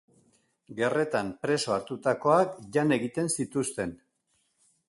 Gerretan preso hartutakoak jan egiten zituzten.